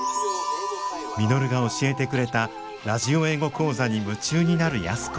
稔が教えてくれた「ラジオ英語講座」に夢中になる安子。